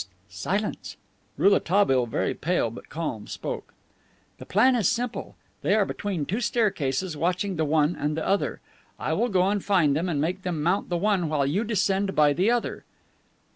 "Tsst! tsst! Silence." Rouletabille, very pale, but calm, spoke: "The plan is simple. They are between the two staircases, watching the one and the other. I will go and find them and make them mount the one while you descend by the other."